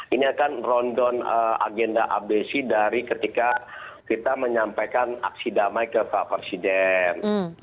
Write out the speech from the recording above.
ini akan rundown agenda abdesi dari ketika kita menyampaikan aksi damai ke pak presiden